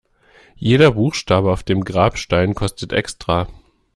Jeder Buchstabe auf dem Grabstein kostet extra.